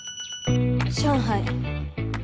上海。